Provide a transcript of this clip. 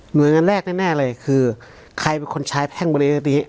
โดยงานแรกแน่เลยคือใครเป็นคนใช้แพ่งบริเวณนี้